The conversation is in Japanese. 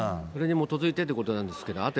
それに基づいてってことなんですけど、